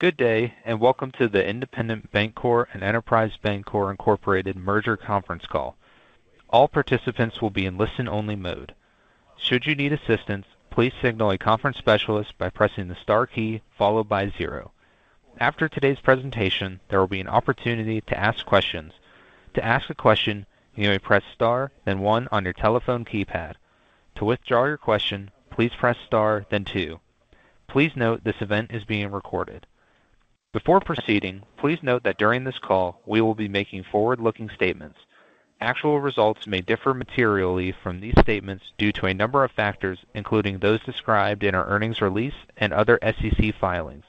Good day, and welcome to the Independent Bank Corp and Enterprise Bancorp, Inc Merger Conference Call. All participants will be in listen-only mode. Should you need assistance, please signal a conference specialist by pressing the star key followed by zero. After today's presentation, there will be an opportunity to ask questions. To ask a question, you may press star, then one on your telephone keypad. To withdraw your question, please press star, then two. Please note this event is being recorded. Before proceeding, please note that during this call, we will be making forward-looking statements. Actual results may differ materially from these statements due to a number of factors, including those described in our earnings release and other SEC filings.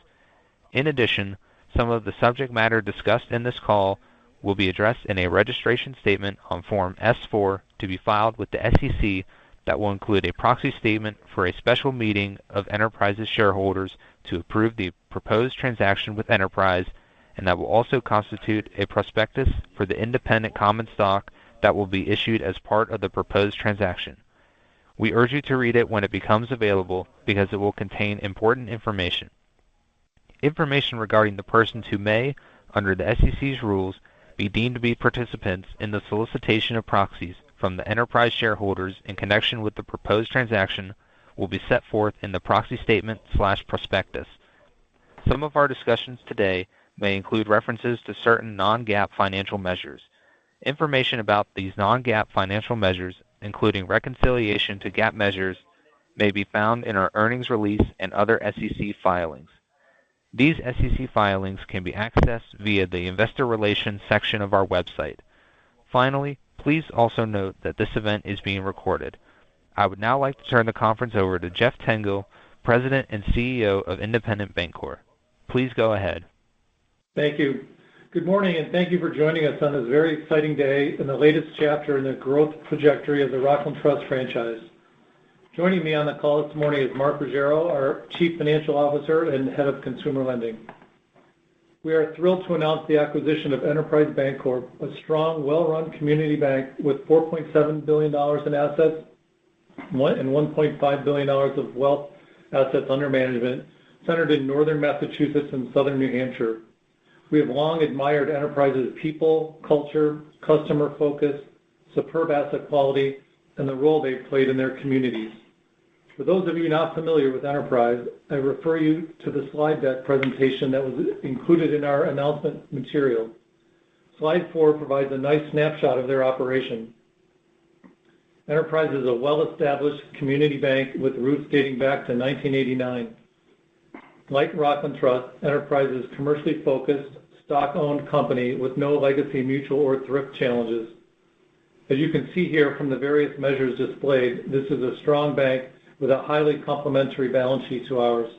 In addition, some of the subject matter discussed in this call will be addressed in a registration statement on Form S-4 to be filed with the SEC that will include a proxy statement for a special meeting of Enterprise's shareholders to approve the proposed transaction with Independent, and that will also constitute a prospectus for the Independent common stock that will be issued as part of the proposed transaction. We urge you to read it when it becomes available because it will contain important information. Information regarding the persons who may, under the SEC's rules, be deemed to be participants in the solicitation of proxies from the Enterprise shareholders in connection with the proposed transaction will be set forth in the proxy statement/prospectus. Some of our discussions today may include references to certain non-GAAP financial measures. Information about these non-GAAP financial measures, including reconciliation to GAAP measures, may be found in our earnings release and other SEC filings. These SEC filings can be accessed via the investor relations section of our website. Finally, please also note that this event is being recorded. I would now like to turn the conference over to Jeff Tengel, President and CEO of Independent Bank Corp. Please go ahead. Thank you. Good morning, and thank you for joining us on this very exciting day in the latest chapter in the growth trajectory of the Rockland Trust franchise. Joining me on the call this morning is Mark Ruggiero, our Chief Financial Officer and Head of Consumer Lending. We are thrilled to announce the acquisition of Enterprise Bancorp, a strong, well-run community bank with $4.7 billion in assets and $1.5 billion of wealth assets under management, centered in Northern Massachusetts and Southern New Hampshire. We have long admired Enterprise's people, culture, customer focus, superb asset quality, and the role they've played in their communities. For those of you not familiar with Enterprise, I refer you to the slide deck presentation that was included in our announcement material. Slide four provides a nice snapshot of their operation. Enterprise is a well-established community bank with roots dating back to 1989. Like Rockland Trust, Enterprise is a commercially focused, stock-owned company with no legacy mutual or thrift challenges. As you can see here from the various measures displayed, this is a strong bank with a highly complementary balance sheet to ours.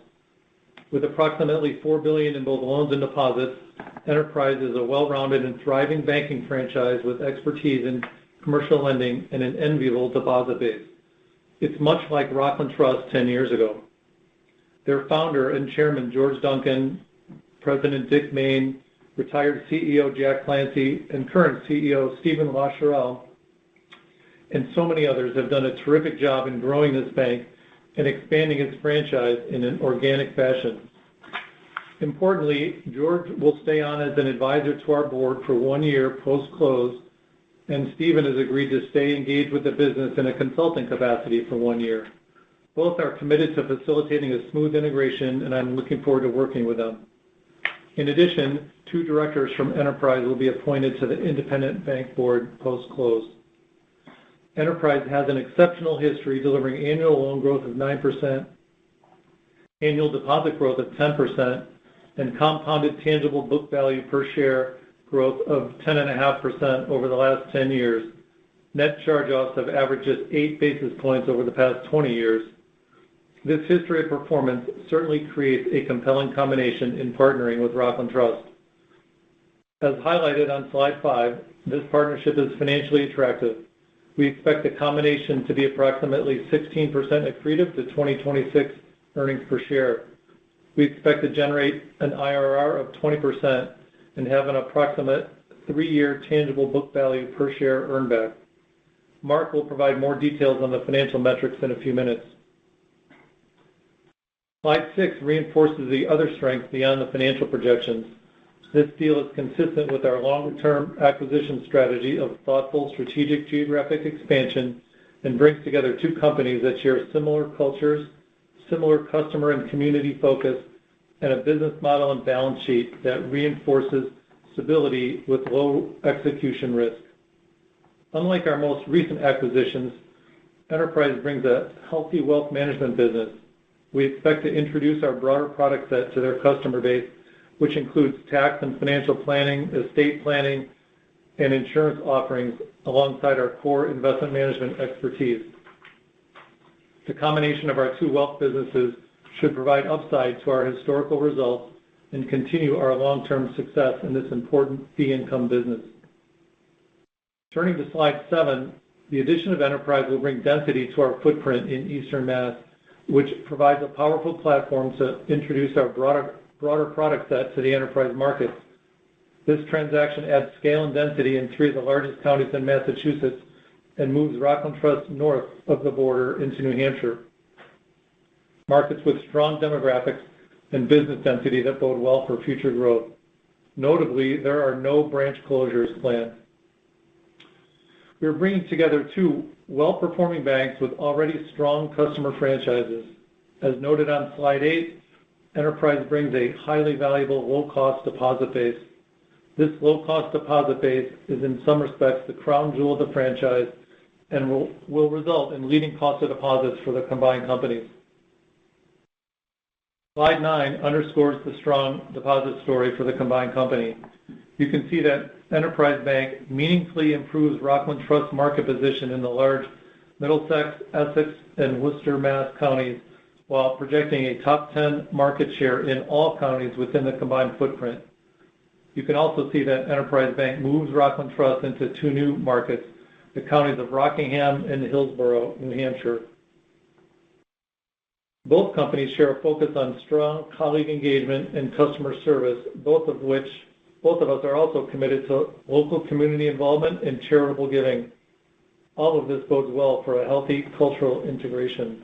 With approximately $4 billion in both loans and deposits, Enterprise is a well-rounded and thriving banking franchise with expertise in commercial lending and an enviable deposit base. It's much like Rockland Trust 10 years ago. Their founder and Chairman, George Duncan, President Dick Main, retired CEO Jack Clancy, and current CEO Steven Larochelle, and so many others have done a terrific job in growing this bank and expanding its franchise in an organic fashion. Importantly, George will stay on as an advisor to our board for one year post-close, and Steven has agreed to stay engaged with the business in a consulting capacity for one year. Both are committed to facilitating a smooth integration, and I'm looking forward to working with them. In addition, two directors from Enterprise will be appointed to the Independent Bank Corp. post-close. Enterprise has an exceptional history delivering annual loan growth of 9%, annual deposit growth of 10%, and compounded tangible book value per share growth of 10.5% over the last 10 years. Net charge-offs have averaged just eight basis points over the past 20 years. This history of performance certainly creates a compelling combination in partnering with Rockland Trust. As highlighted on slide five, this partnership is financially attractive. We expect the combination to be approximately 16% accretive to 2026 earnings per share. We expect to generate an IRR of 20% and have an approximate three-year tangible book value per share earnback. Mark will provide more details on the financial metrics in a few minutes. Slide six reinforces the other strengths beyond the financial projections. This deal is consistent with our longer-term acquisition strategy of thoughtful strategic geographic expansion and brings together two companies that share similar cultures, similar customer and community focus, and a business model and balance sheet that reinforces stability with low execution risk. Unlike our most recent acquisitions, Enterprise brings a healthy wealth management business. We expect to introduce our broader product set to their customer base, which includes tax and financial planning, estate planning, and insurance offerings alongside our core investment management expertise. The combination of our two wealth businesses should provide upside to our historical results and continue our long-term success in this important fee-income business. Turning to slide seven, the addition of Enterprise will bring density to our footprint in Eastern Mass, which provides a powerful platform to introduce our broader product set to the enterprise markets. This transaction adds scale and density in three of the largest counties in Massachusetts and moves Rockland Trust north of the border into New Hampshire. Markets with strong demographics and business density that bode well for future growth. Notably, there are no branch closures planned. We are bringing together two well-performing banks with already strong customer franchises. As noted on slide eight, Enterprise brings a highly valuable low-cost deposit base. This low-cost deposit base is, in some respects, the crown jewel of the franchise and will result in leading costs of deposits for the combined companies. Slide nine underscores the strong deposit story for the combined company. You can see that Enterprise Bank meaningfully improves Rockland Trust's market position in the large Middlesex, Essex, and Worcester Mass counties while projecting a top 10 market share in all counties within the combined footprint. You can also see that Enterprise Bank moves Rockland Trust into two new markets, the counties of Rockingham and Hillsborough, New Hampshire. Both companies share a focus on strong colleague engagement and customer service, both of which we are also committed to local community involvement and charitable giving. All of this bodes well for a healthy cultural integration.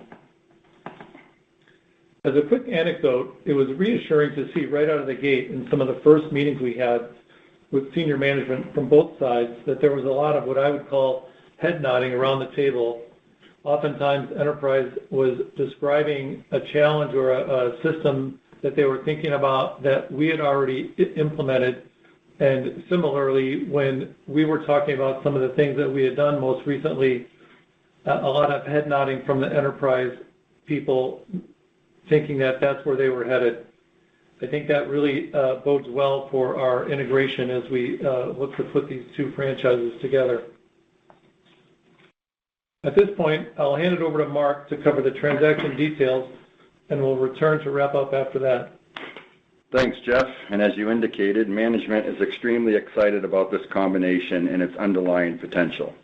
As a quick anecdote, it was reassuring to see right out of the gate in some of the first meetings we had with senior management from both sides that there was a lot of what I would call head nodding around the table. Oftentimes, Enterprise was describing a challenge or a system that they were thinking about that we had already implemented. Similarly, when we were talking about some of the things that we had done most recently, a lot of head nodding from the Enterprise people thinking that that's where they were headed. I think that really bodes well for our integration as we look to put these two franchises together. At this point, I'll hand it over to Mark to cover the transaction details, and we'll return to wrap up after that. Thanks, Jeff. And as you indicated, management is extremely excited about this combination and its underlying potential.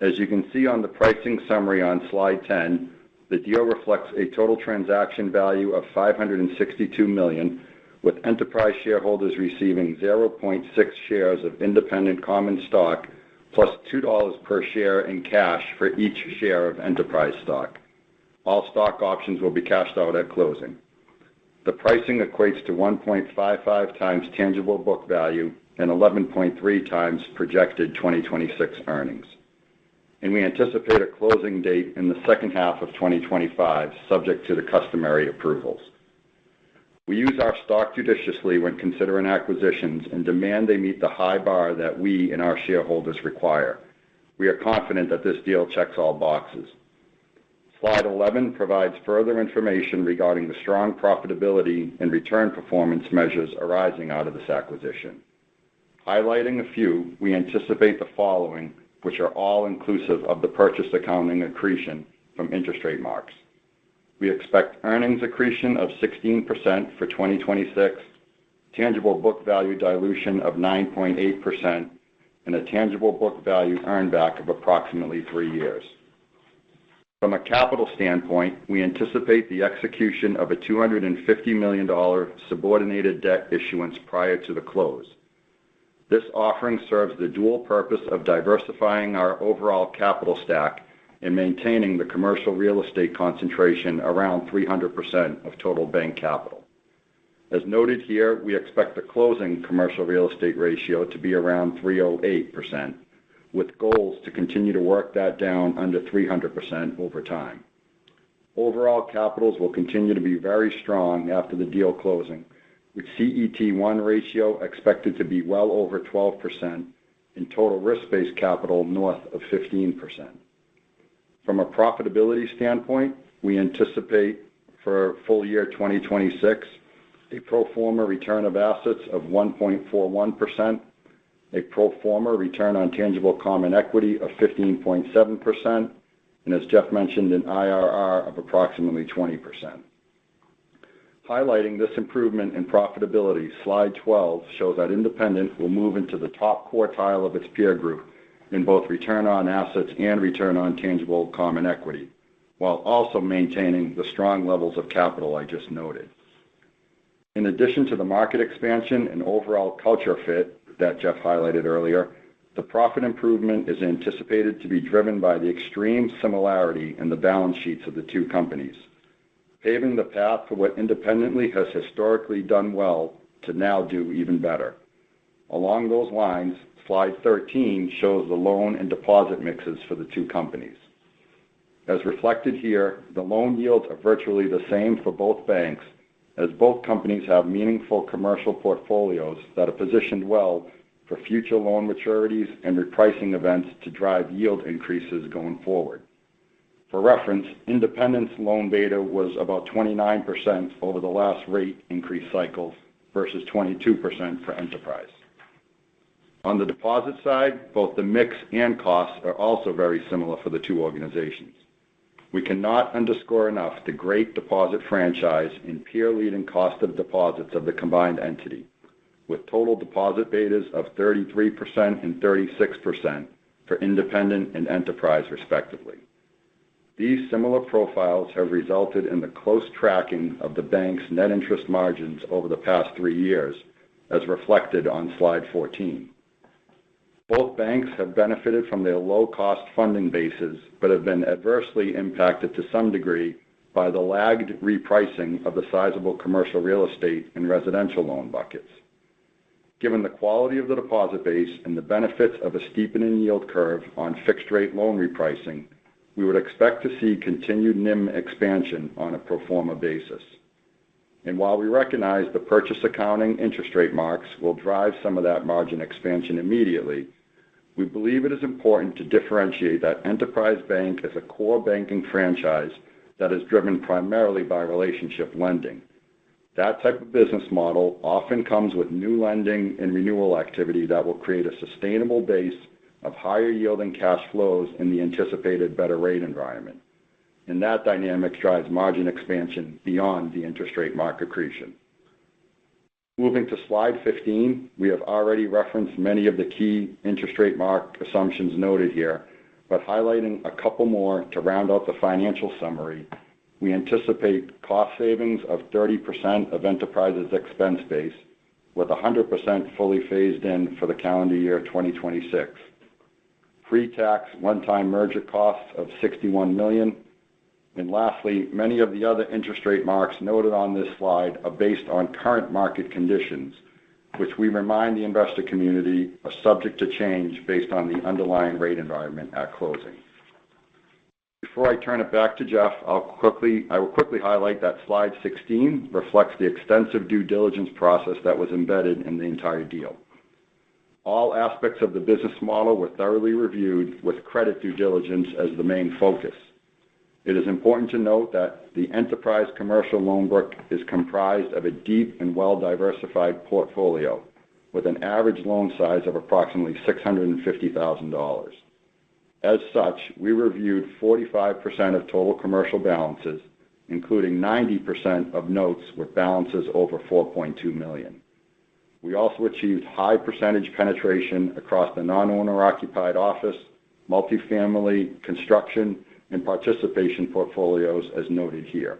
As you can see on the pricing summary on slide 10, the deal reflects a total transaction value of $562 million, with Enterprise shareholders receiving 0.6 shares of Independent common stock plus $2 per share in cash for each share of Enterprise stock. All stock options will be cashed out at closing. The pricing equates to 1.55x tangible book value and 11.3x projected 2026 earnings. And we anticipate a closing date in the second half of 2025, subject to the customary approvals. We use our stock judiciously when considering acquisitions and demand they meet the high bar that we and our shareholders require. We are confident that this deal checks all boxes. Slide 11 provides further information regarding the strong profitability and return performance measures arising out of this acquisition. Highlighting a few, we anticipate the following, which are all inclusive of the purchase accounting accretion from interest rate marks. We expect earnings accretion of 16% for 2026, tangible book value dilution of 9.8%, and a tangible book value earnback of approximately three years. From a capital standpoint, we anticipate the execution of a $250 million subordinated debt issuance prior to the close. This offering serves the dual purpose of diversifying our overall capital stack and maintaining the commercial real estate concentration around 300% of total bank capital. As noted here, we expect the closing commercial real estate ratio to be around 308%, with goals to continue to work that down under 300% over time. Overall capitals will continue to be very strong after the deal closing, with CET1 ratio expected to be well over 12% and total risk-based capital north of 15%. From a profitability standpoint, we anticipate for full year 2026 a pro forma return on assets of 1.41%, a pro forma return on tangible common equity of 15.7%, and, as Jeff mentioned, an IRR of approximately 20%. Highlighting this improvement in profitability, slide 12 shows that Independent will move into the top quartile of its peer group in both return on assets and return on tangible common equity, while also maintaining the strong levels of capital I just noted. In addition to the market expansion and overall culture fit that Jeff highlighted earlier, the profit improvement is anticipated to be driven by the extreme similarity in the balance sheets of the two companies, paving the path to what Independently has historically done well to now do even better. Along those lines, slide 13 shows the loan and deposit mixes for the two companies. As reflected here, the loan yields are virtually the same for both banks, as both companies have meaningful commercial portfolios that are positioned well for future loan maturities and repricing events to drive yield increases going forward. For reference, Independent's loan beta was about 29% over the last rate increase cycles versus 22% for Enterprise. On the deposit side, both the mix and costs are also very similar for the two organizations. We cannot underscore enough the great deposit franchise and peer-leading cost of deposits of the combined entity, with total deposit betas of 33% and 36% for Independent and Enterprise, respectively. These similar profiles have resulted in the close tracking of the bank's net interest margins over the past three years, as reflected on slide 14. Both banks have benefited from their low-cost funding bases but have been adversely impacted to some degree by the lagged repricing of the sizable commercial real estate and residential loan buckets. Given the quality of the deposit base and the benefits of a steepening yield curve on fixed-rate loan repricing, we would expect to see continued NIM expansion on a pro forma basis, and while we recognize the purchase accounting interest rate marks will drive some of that margin expansion immediately, we believe it is important to differentiate that Enterprise Bank as a core banking franchise that is driven primarily by relationship lending. That type of business model often comes with new lending and renewal activity that will create a sustainable base of higher yielding cash flows in the anticipated better rate environment, and that dynamic drives margin expansion beyond the interest rate mark accretion. Moving to slide 15, we have already referenced many of the key interest rate mark assumptions noted here, but highlighting a couple more to round out the financial summary, we anticipate cost savings of 30% of Enterprise's expense base with 100% fully phased in for the calendar year 2026, pre-tax one-time merger costs of $61 million, and lastly, many of the other interest rate marks noted on this slide are based on current market conditions, which we remind the investor community are subject to change based on the underlying rate environment at closing. Before I turn it back to Jeff, I will quickly highlight that slide 16 reflects the extensive due diligence process that was embedded in the entire deal. All aspects of the business model were thoroughly reviewed with credit due diligence as the main focus. It is important to note that the Enterprise commercial loan book is comprised of a deep and well-diversified portfolio with an average loan size of approximately $650,000. As such, we reviewed 45% of total commercial balances, including 90% of notes with balances over $4.2 million. We also achieved high percentage penetration across the non-owner-occupied office, multifamily construction, and participation portfolios as noted here.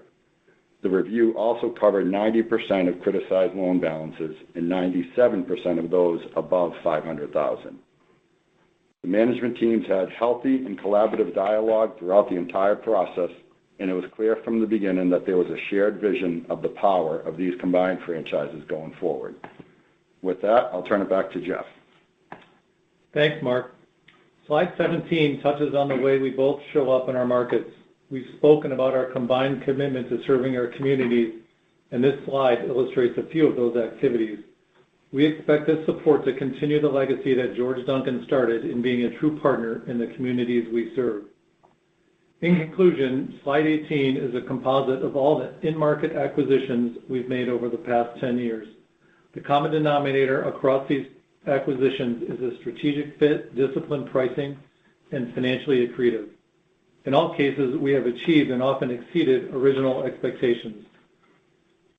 The review also covered 90% of criticized loan balances and 97% of those above $500,000. The management teams had healthy and collaborative dialogue throughout the entire process, and it was clear from the beginning that there was a shared vision of the power of these combined franchises going forward. With that, I'll turn it back to Jeff. Thanks, Mark. Slide 17 touches on the way we both show up in our markets. We've spoken about our combined commitment to serving our communities, and this slide illustrates a few of those activities. We expect this support to continue the legacy that George Duncan started in being a true partner in the communities we serve. In conclusion, slide 18 is a composite of all the in-market acquisitions we've made over the past 10 years. The common denominator across these acquisitions is a strategic fit, disciplined pricing, and financially accretive. In all cases, we have achieved and often exceeded original expectations.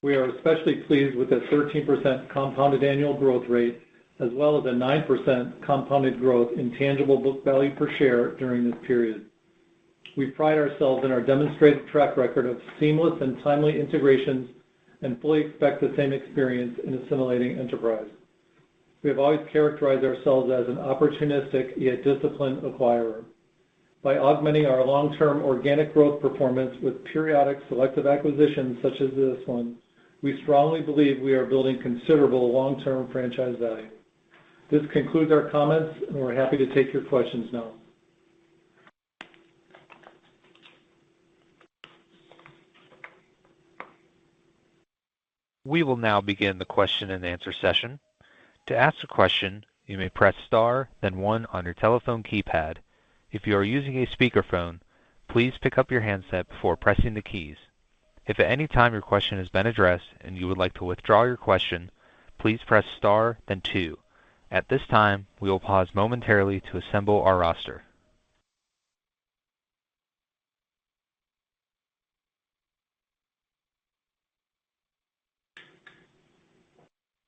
We are especially pleased with the 13% compounded annual growth rate, as well as a 9% compounded growth in tangible book value per share during this period. We pride ourselves in our demonstrated track record of seamless and timely integrations and fully expect the same experience in assimilating Enterprise. We have always characterized ourselves as an opportunistic yet disciplined acquirer. By augmenting our long-term organic growth performance with periodic selective acquisitions such as this one, we strongly believe we are building considerable long-term franchise value. This concludes our comments, and we're happy to take your questions now. We will now begin the question-and-answer session. To ask a question, you may press star, then one on your telephone keypad. If you are using a speakerphone, please pick up your handset before pressing the keys. If at any time your question has been addressed and you would like to withdraw your question, please press star, then two. At this time, we will pause momentarily to assemble our roster.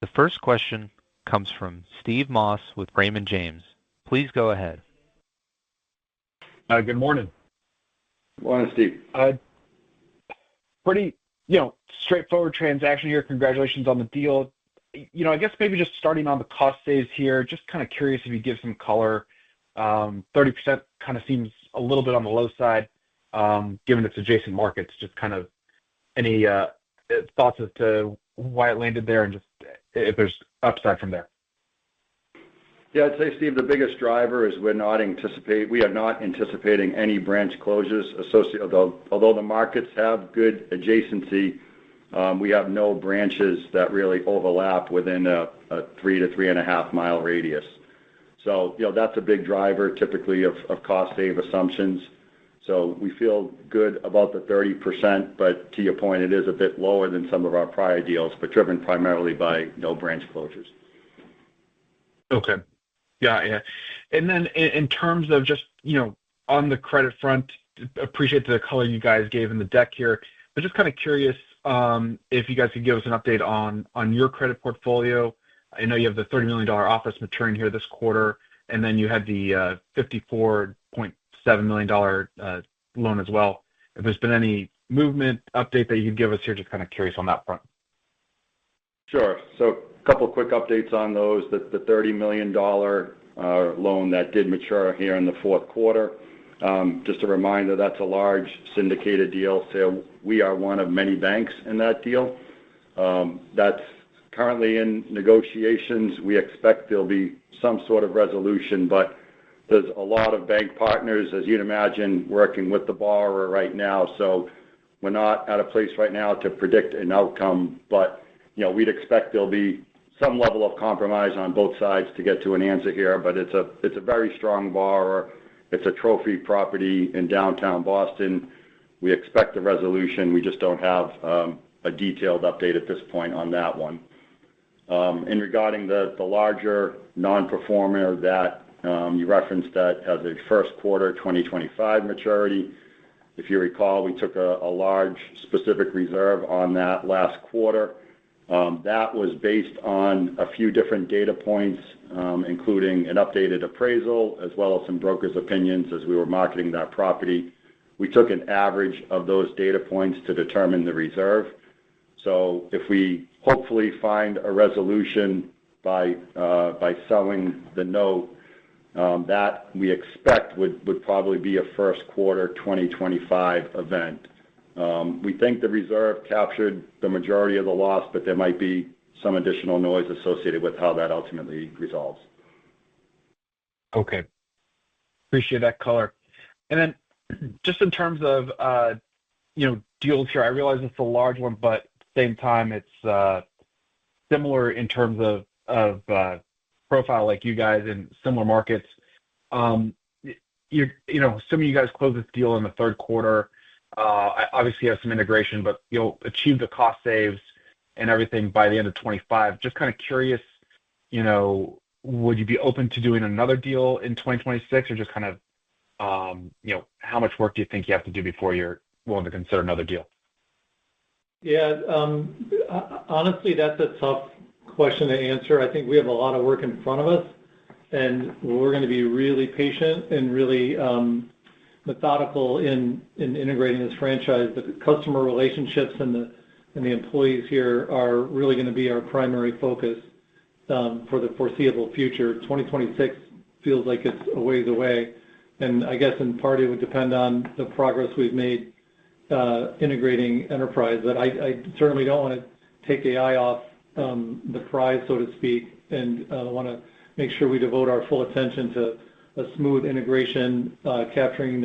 The first question comes from Steve Moss with Raymond James. Please go ahead. Good morning. Good morning, Steve. Pretty straightforward transaction here. Congratulations on the deal. I guess maybe just starting on the cost saves here, just kind of curious if you'd give some color. 30% kind of seems a little bit on the low side given its adjacent markets. Just kind of any thoughts as to why it landed there and just if there's upside from there. Yeah, I'd say, Steve, the biggest driver is we are not anticipating any branch closures. Although the markets have good adjacency, we have no branches that really overlap within a three to three and a half mile radius. So that's a big driver typically of cost-save assumptions. So we feel good about the 30%, but to your point, it is a bit lower than some of our prior deals, but driven primarily by no branch closures. Okay. Yeah, yeah. And then in terms of just on the credit front, appreciate the color you guys gave in the deck here. But just kind of curious if you guys can give us an update on your credit portfolio. I know you have the $30 million office maturing here this quarter, and then you had the $54.7 million loan as well. If there's been any movement, update that you can give us here, just kind of curious on that front. Sure. So a couple of quick updates on those. The $30 million loan that did mature here in the fourth quarter, just a reminder, that's a large syndicated deal. So we are one of many banks in that deal. That's currently in negotiations. We expect there'll be some sort of resolution, but there's a lot of bank partners, as you'd imagine, working with the borrower right now. So we're not at a place right now to predict an outcome, but we'd expect there'll be some level of compromise on both sides to get to an answer here. But it's a very strong borrower. It's a trophy property in downtown Boston. We expect a resolution. We just don't have a detailed update at this point on that one. Regarding the larger non-performer that you referenced that as a first quarter 2025 maturity, if you recall, we took a large specific reserve on that last quarter. That was based on a few different data points, including an updated appraisal, as well as some broker's opinions as we were marketing that property. We took an average of those data points to determine the reserve. So if we hopefully find a resolution by selling the note, that we expect would probably be a first quarter 2025 event. We think the reserve captured the majority of the loss, but there might be some additional noise associated with how that ultimately resolves. Okay. Appreciate that color. And then just in terms of deals here, I realize it's a large one, but at the same time, it's similar in terms of profile like you guys in similar markets. Assuming you guys close this deal in the third quarter, obviously you have some integration, but you'll achieve the cost saves and everything by the end of 2025. Just kind of curious, would you be open to doing another deal in 2026, or just kind of how much work do you think you have to do before you're willing to consider another deal? Yeah. Honestly, that's a tough question to answer. I think we have a lot of work in front of us, and we're going to be really patient and really methodical in integrating this franchise. The customer relationships and the employees here are really going to be our primary focus for the foreseeable future. 2026 feels like it's a ways away. And I guess in part, it would depend on the progress we've made integrating Enterprise. But I certainly don't want to take my eye off the prize, so to speak, and want to make sure we devote our full attention to a smooth integration, capturing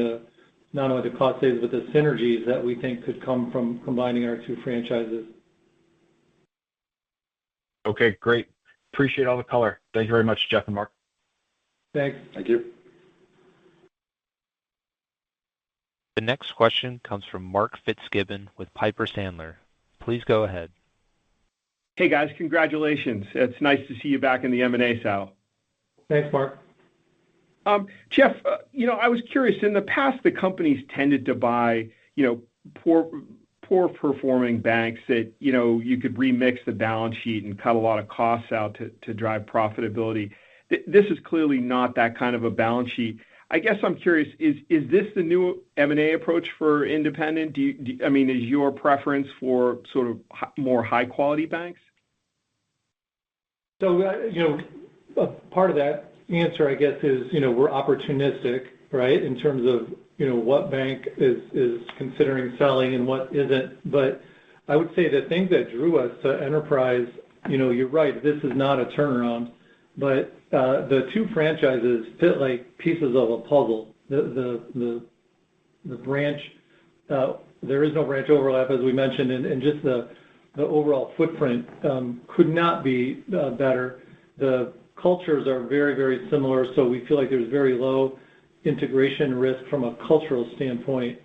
not only the cost savings but the synergies that we think could come from combining our two franchises. Okay. Great. Appreciate all the color. Thank you very much, Jeff and Mark. Thanks. Thank you. The next question comes from Mark Fitzgibbon with Piper Sandler. Please go ahead. Hey, guys. Congratulations. It's nice to see you back in the M&A space. Thanks, Mark. Jeff, I was curious. In the past, the companies tended to buy poor-performing banks that you could remix the balance sheet and cut a lot of costs out to drive profitability. This is clearly not that kind of a balance sheet. I guess I'm curious, is this the new M&A approach for Independent? I mean, is your preference for sort of more high-quality banks? Part of that answer, I guess, is we're opportunistic, right, in terms of what bank is considering selling and what isn't. But I would say the thing that drew us to Enterprise. You're right, this is not a turnaround. But the two franchises fit like pieces of a puzzle. There is no branch overlap, as we mentioned, and just the overall footprint could not be better. The cultures are very, very similar, so we feel like there's very low integration risk from a cultural standpoint.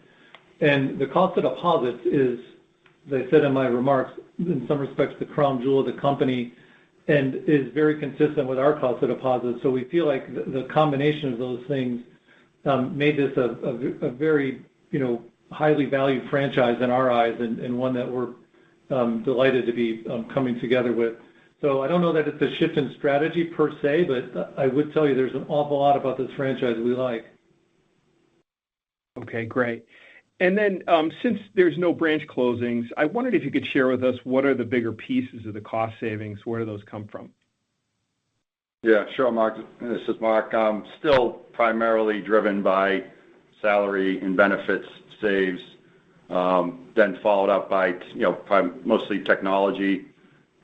And the cost of deposits is, as I said in my remarks, in some respects, the crown jewel of the company and is very consistent with our cost of deposits. So we feel like the combination of those things made this a very highly valued franchise in our eyes and one that we're delighted to be coming together with. I don't know that it's a shift in strategy per se, but I would tell you there's an awful lot about this franchise we like. Okay. Great. And then since there's no branch closings, I wondered if you could share with us what are the bigger pieces of the cost savings, where do those come from? Yeah. Sure, Mark. This is Mark. Still primarily driven by salary and benefits saves, then followed up by mostly technology.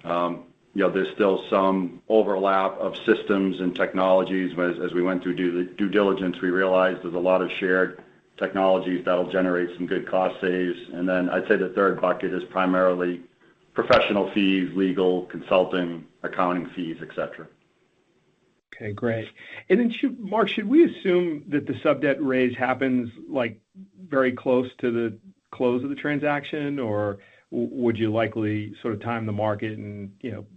There's still some overlap of systems and technologies. As we went through due diligence, we realized there's a lot of shared technologies that'll generate some good cost saves. And then I'd say the third bucket is primarily professional fees, legal, consulting, accounting fees, etc. Okay. Great. And then, Mark, should we assume that the sub-debt raise happens very close to the close of the transaction, or would you likely sort of time the market and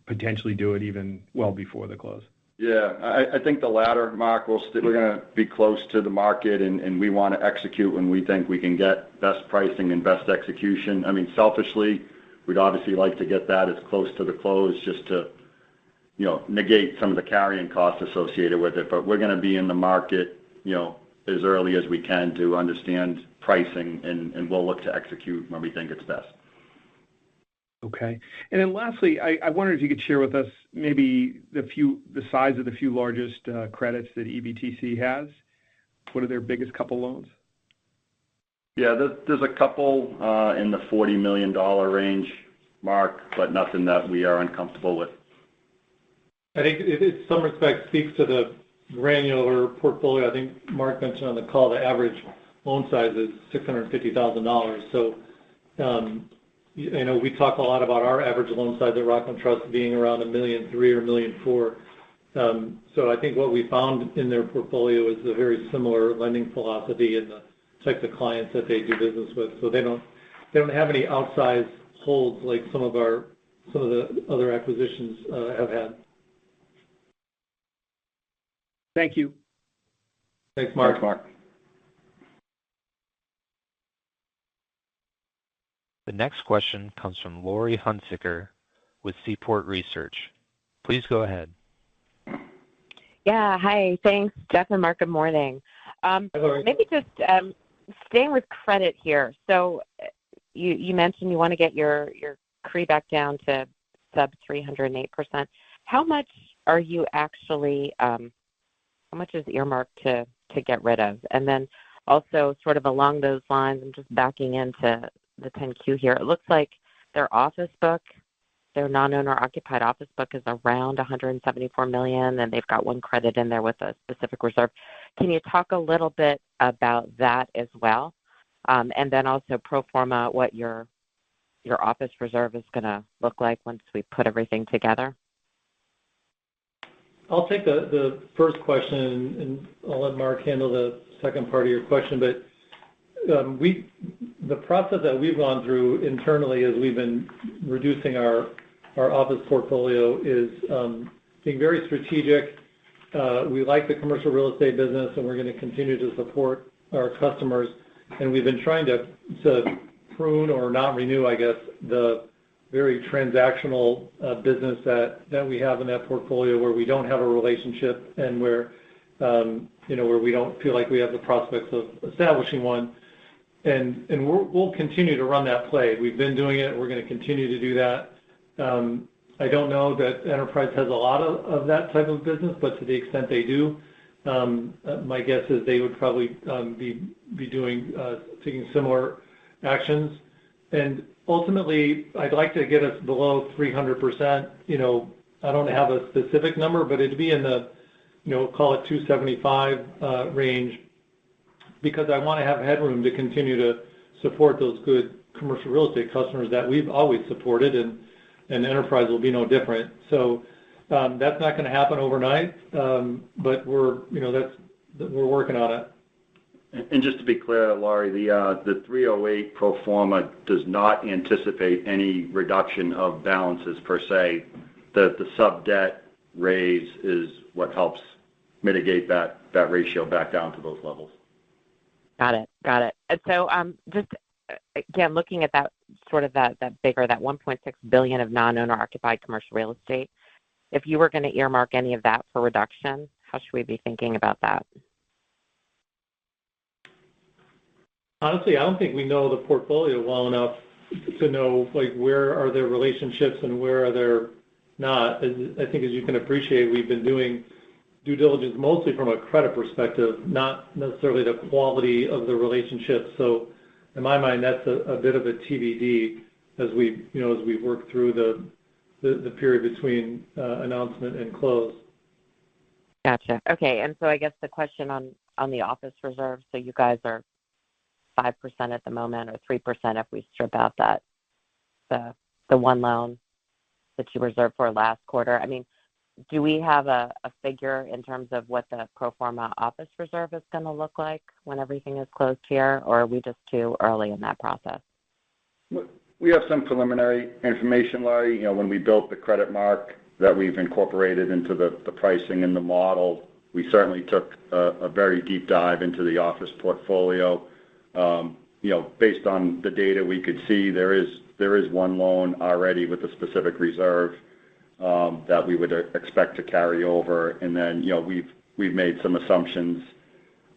potentially do it even well before the close? Yeah. I think the latter, Mark. We're going to be close to the market, and we want to execute when we think we can get best pricing and best execution. I mean, selfishly, we'd obviously like to get that as close to the close just to negate some of the carrying cost associated with it. But we're going to be in the market as early as we can to understand pricing, and we'll look to execute when we think it's best. Okay, and then lastly, I wondered if you could share with us maybe the size of the few largest credits that EBTC has. What are their biggest couple of loans? Yeah. There's a couple in the $40 million range, Mark, but nothing that we are uncomfortable with. I think in some respect, it speaks to the granular portfolio. I think Mark mentioned on the call, the average loan size is $650,000. So we talk a lot about our average loan size at Rockland Trust being around $1.3 million or $1.4 million. So I think what we found in their portfolio is a very similar lending philosophy and the type of clients that they do business with. So they don't have any outsized holds like some of the other acquisitions have had. Thank you. Thanks, Mark. Thanks, Mark. The next question comes from Laurie Hunsicker with Seaport Research. Please go ahead. Yeah. Hi. Thanks, Jeff and Mark. Good morning. Hi, Laurie. Maybe just staying with credit here. So you mentioned you want to get your CRE back down to sub-308%. How much are you actually earmarked to get rid of? And then also sort of along those lines, I'm just backing into the 10-Q here. It looks like their office book, their non-owner-occupied office book is around $174 million, and they've got one credit in there with a specific reserve. Can you talk a little bit about that as well? And then also pro forma, what your office reserve is going to look like once we put everything together? I'll take the first question, and I'll let Mark handle the second part of your question, but the process that we've gone through internally as we've been reducing our office portfolio is being very strategic. We like the commercial real estate business, and we're going to continue to support our customers, and we've been trying to prune or not renew, I guess, the very transactional business that we have in that portfolio where we don't have a relationship and where we don't feel like we have the prospects of establishing one, and we'll continue to run that play. We've been doing it. We're going to continue to do that. I don't know that Enterprise has a lot of that type of business, but to the extent they do, my guess is they would probably be taking similar actions, and ultimately, I'd like to get us below 300%. I don't have a specific number, but it'd be in the, call it, 275 range because I want to have headroom to continue to support those good commercial real estate customers that we've always supported, and Enterprise will be no different. So that's not going to happen overnight, but we're working on it. Just to be clear, Laurie, the 308 pro forma does not anticipate any reduction of balances per se. The sub-debt raise is what helps mitigate that ratio back down to those levels. Got it. Got it. And so just, again, looking at sort of that bigger, that $1.6 billion of non-owner-occupied commercial real estate, if you were going to earmark any of that for reduction, how should we be thinking about that? Honestly, I don't think we know the portfolio well enough to know where are their relationships and where are they not. I think, as you can appreciate, we've been doing due diligence mostly from a credit perspective, not necessarily the quality of the relationship. So in my mind, that's a bit of a TBD as we work through the period between announcement and close. Gotcha. Okay. And so I guess the question on the office reserve, so you guys are 5% at the moment or 3% if we strip out the one loan that you reserved for last quarter. I mean, do we have a figure in terms of what the pro forma office reserve is going to look like when everything is closed here, or are we just too early in that process? We have some preliminary information, Laurie. When we built the credit mark that we've incorporated into the pricing and the model, we certainly took a very deep dive into the office portfolio. Based on the data we could see, there is one loan already with a specific reserve that we would expect to carry over. And then we've made some assumptions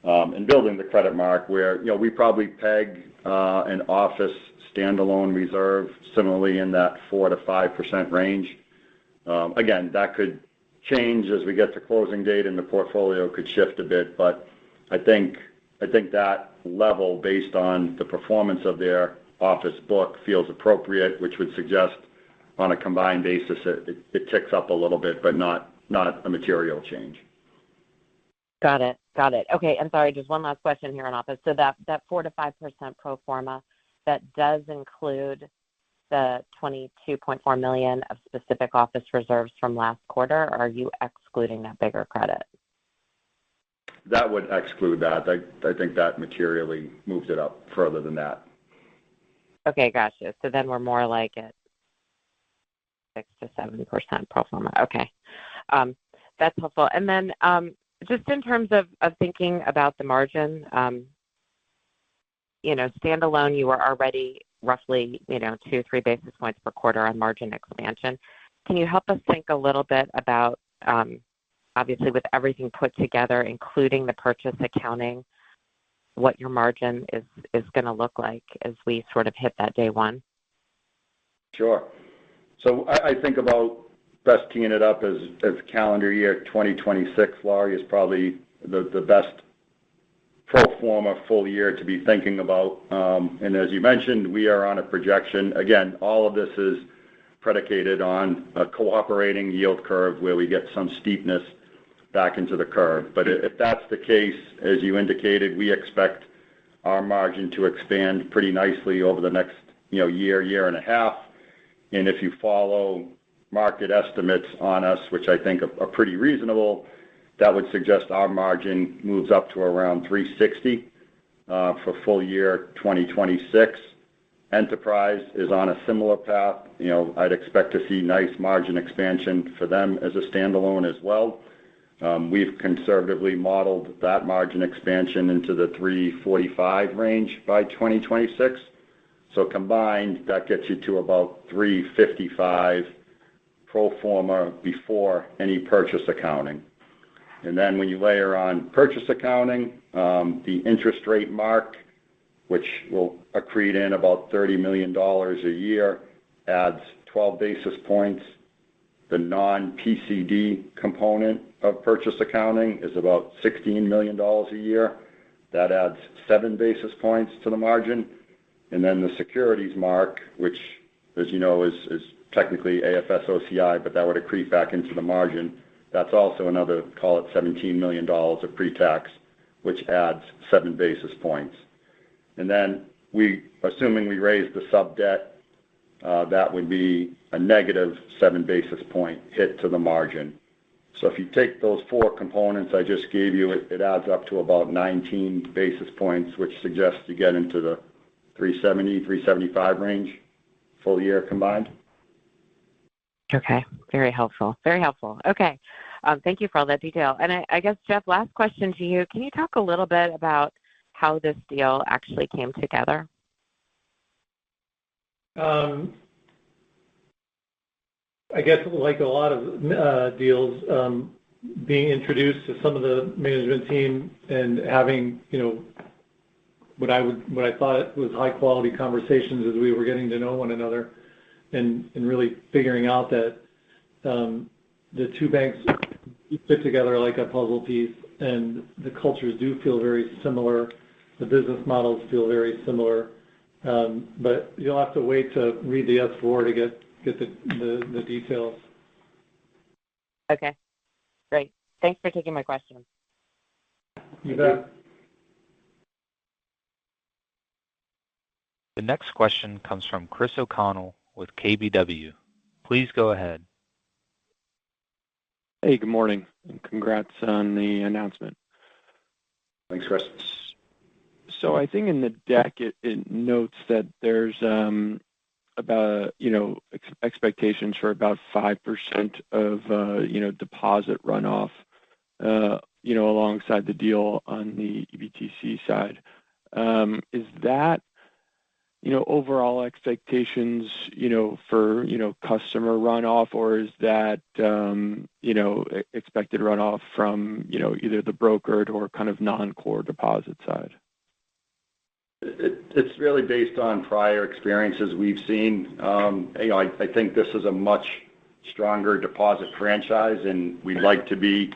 in building the credit mark where we probably peg an office standalone reserve similarly in that 4%-5% range. Again, that could change as we get to closing date, and the portfolio could shift a bit. But I think that level, based on the performance of their office book, feels appropriate, which would suggest on a combined basis, it ticks up a little bit, but not a material change. Got it. Got it. Okay. I'm sorry. Just one last question here on office. So that 4%-5% pro forma that does include the $22.4 million of specific office reserves from last quarter, are you excluding that bigger credit? That would exclude that. I think that materially moved it up further than that. Okay. Gotcha. So then we're more like at 6%-7% pro forma. Okay. That's helpful. And then just in terms of thinking about the margin, standalone, you were already roughly two, three basis points per quarter on margin expansion. Can you help us think a little bit about, obviously, with everything put together, including the purchase accounting, what your margin is going to look like as we sort of hit that day one? Sure. So I think about best keying it up as calendar year 2026, Laurie, is probably the best pro forma full year to be thinking about. And as you mentioned, we are on a projection. Again, all of this is predicated on a cooperating yield curve where we get some steepness back into the curve. But if that's the case, as you indicated, we expect our margin to expand pretty nicely over the next year, year and a half. And if you follow market estimates on us, which I think are pretty reasonable, that would suggest our margin moves up to around 360 for full year 2026. Enterprise is on a similar path. I'd expect to see nice margin expansion for them as a standalone as well. We've conservatively modeled that margin expansion into the 345 range by 2026. So combined, that gets you to about 355 pro forma before any purchase accounting. And then when you layer on purchase accounting, the interest rate mark, which will accrete in about $30 million a year, adds 12 basis points. The non-PCD component of purchase accounting is about $16 million a year. That adds 7 basis points to the margin. And then the securities mark, which, as you know, is technically AFS OCI, but that would accrete back into the margin. That's also another, call it, $17 million of pre-tax, which adds 7 basis points. And then assuming we raise the sub-debt, that would be a -7 basis point hit to the margin. So if you take those four components I just gave you, it adds up to about 19 basis points, which suggests you get into the 370-375 range full year combined. Okay. Very helpful. Very helpful. Okay. Thank you for all that detail. And I guess, Jeff, last question to you. Can you talk a little bit about how this deal actually came together? I guess, like a lot of deals, being introduced to some of the management team and having what I thought was high-quality conversations as we were getting to know one another and really figuring out that the two banks fit together like a puzzle piece, and the cultures do feel very similar. The business models feel very similar. But you'll have to wait to read the S-4 to get the details. Okay. Great. Thanks for taking my question. You bet. The next question comes from Chris O'Connell with KBW. Please go ahead. Hey, good morning, and congrats on the announcement. Thanks, Chris. So I think in the deck, it notes that there's expectations for about 5% of deposit runoff alongside the deal on the EBTC side. Is that overall expectations for customer runoff, or is that expected runoff from either the brokered or kind of non-core deposit side? It's really based on prior experiences we've seen. I think this is a much stronger deposit franchise, and we'd like to be.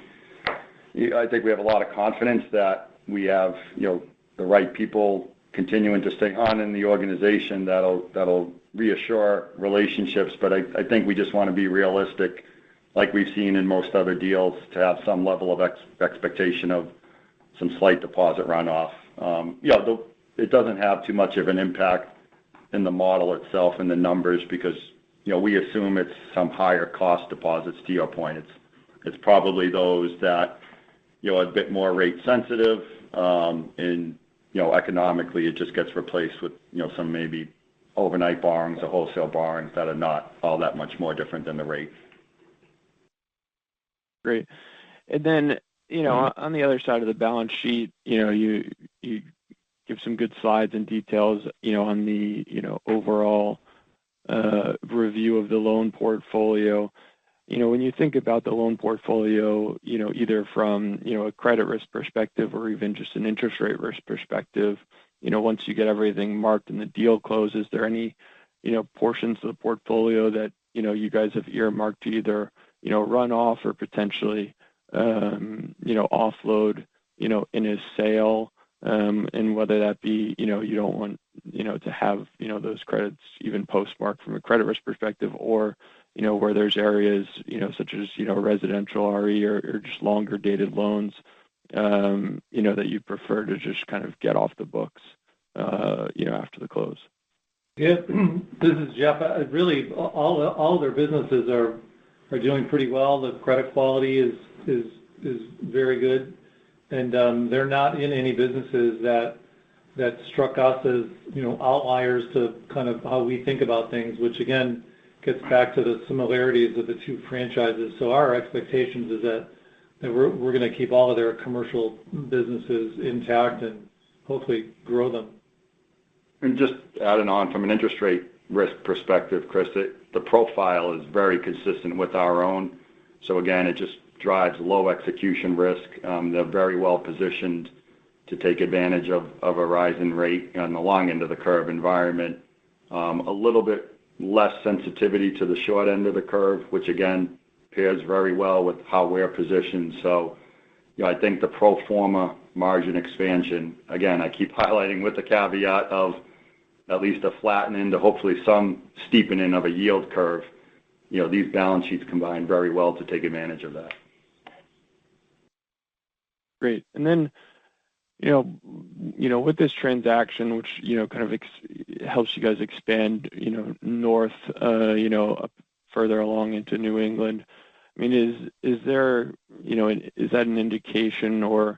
I think we have a lot of confidence that we have the right people continuing to stay on in the organization that'll reassure relationships. But I think we just want to be realistic, like we've seen in most other deals, to have some level of expectation of some slight deposit runoff. It doesn't have too much of an impact in the model itself and the numbers because we assume it's some higher-cost deposits, to your point. It's probably those that are a bit more rate-sensitive, and economically, it just gets replaced with some maybe overnight borrowings, the wholesale borrowings that are not all that much more different than the rate. Great. And then on the other side of the balance sheet, you give some good slides and details on the overall review of the loan portfolio. When you think about the loan portfolio, either from a credit risk perspective or even just an interest rate risk perspective, once you get everything marked and the deal closes, are there any portions of the portfolio that you guys have earmarked to either runoff or potentially offload in a sale? And whether that be you don't want to have those credits even post-marked from a credit risk perspective, or where there's areas such as residential RE or just longer-dated loans that you'd prefer to just kind of get off the books after the close? Yeah. This is Jeff. Really, all of their businesses are doing pretty well. The credit quality is very good, and they're not in any businesses that struck us as outliers to kind of how we think about things, which, again, gets back to the similarities of the two franchises, so our expectation is that we're going to keep all of their commercial businesses intact and hopefully grow them. Just adding on from an interest rate risk perspective, Chris, the profile is very consistent with our own. Again, it just drives low execution risk. They're very well positioned to take advantage of a rising rate on the long end of the curve environment. A little bit less sensitivity to the short end of the curve, which, again, pairs very well with how we're positioned. I think the pro forma margin expansion, again, I keep highlighting with the caveat of at least a flattening to hopefully some steepening of a yield curve. These balance sheets combine very well to take advantage of that. Great. And then with this transaction, which kind of helps you guys expand north further along into New England, I mean, is there, is that an indication for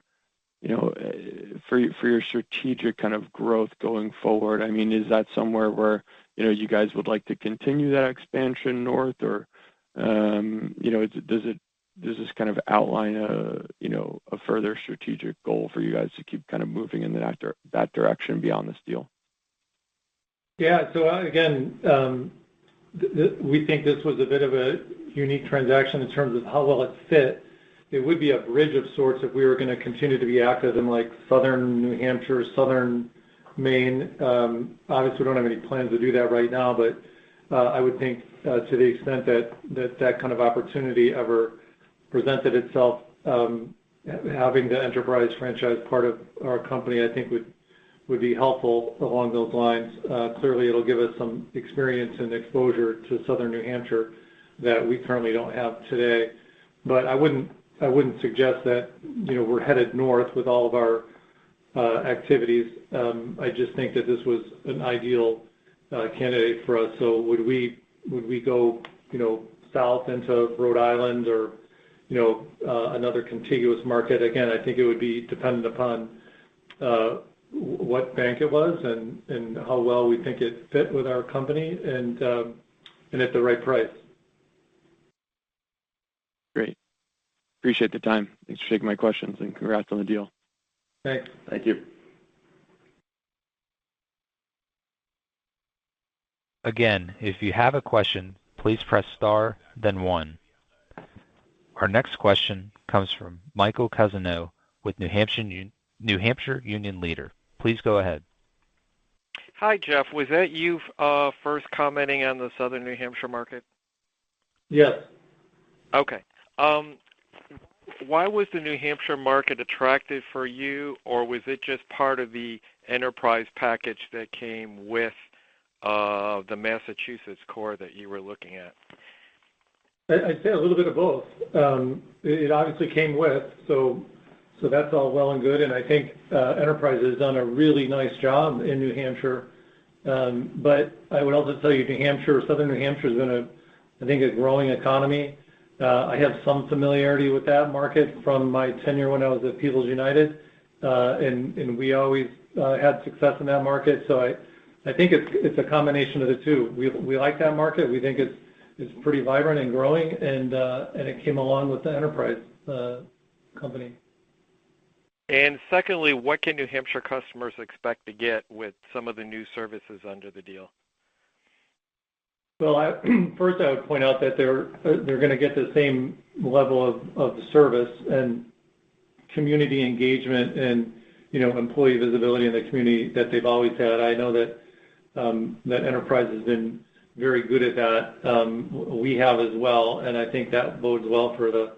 your strategic kind of growth going forward? I mean, is that somewhere where you guys would like to continue that expansion north, or does this kind of outline a further strategic goal for you guys to keep kind of moving in that direction beyond this deal? Yeah. So again, we think this was a bit of a unique transaction in terms of how well it fit. It would be a bridge of sorts if we were going to continue to be active in Southern New Hampshire, Southern Maine. Obviously, we don't have any plans to do that right now, but I would think to the extent that that kind of opportunity ever presented itself, having the Enterprise franchise part of our company, I think would be helpful along those lines. Clearly, it'll give us some experience and exposure to Southern New Hampshire that we currently don't have today. But I wouldn't suggest that we're headed north with all of our activities. I just think that this was an ideal candidate for us. So would we go south into Rhode Island or another contiguous market? Again, I think it would be dependent upon what bank it was and how well we think it fit with our company and at the right price. Great. Appreciate the time. Thanks for taking my questions. And congrats on the deal. Thanks. Thank you. Again, if you have a question, please press star, then one. Our next question comes from Michael Cousineau with New Hampshire Union Leader. Please go ahead. Hi, Jeff. Was that you first commenting on the Southern New Hampshire market? Yes. Okay. Why was the New Hampshire market attractive for you, or was it just part of the Enterprise package that came with the Massachusetts core that you were looking at? I'd say a little bit of both. It obviously came with. So that's all well and good. And I think Enterprise has done a really nice job in New Hampshire. But I would also tell you New Hampshire, Southern New Hampshire has been, I think, a growing economy. I have some familiarity with that market from my tenure when I was at People's United. And we always had success in that market. So I think it's a combination of the two. We like that market. We think it's pretty vibrant and growing. And it came along with the Enterprise company. Secondly, what can New Hampshire customers expect to get with some of the new services under the deal? Well, first, I would point out that they're going to get the same level of service and community engagement and employee visibility in the community that they've always had. I know that Enterprise has been very good at that. We have as well. And I think that bodes well for the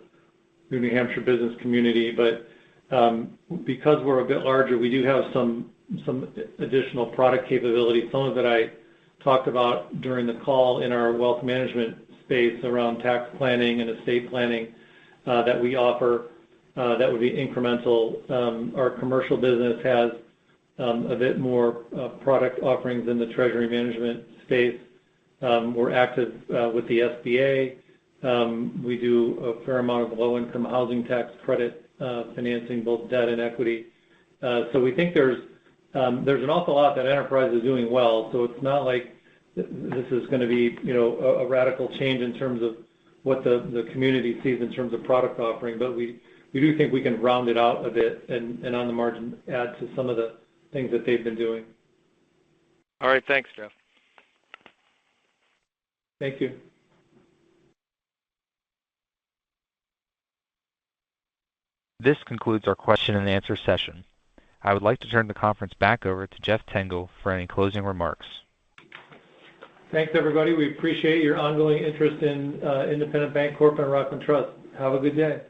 New Hampshire business community. But because we're a bit larger, we do have some additional product capability. Some of it I talked about during the call in our wealth management space around tax planning and estate planning that we offer that would be incremental. Our commercial business has a bit more product offerings in the treasury management space. We're active with the SBA. We do a fair amount of low-income housing tax credit financing, both debt and equity. So we think there's an awful lot that Enterprise is doing well. So it's not like this is going to be a radical change in terms of what the community sees in terms of product offering. But we do think we can round it out a bit and on the margin add to some of the things that they've been doing. All right. Thanks, Jeff. Thank you. This concludes our question-and-answer session. I would like to turn the conference back over to Jeff Tengel for any closing remarks. Thanks, everybody. We appreciate your ongoing interest in Independent Bank Corp. and Rockland Trust. Have a good day.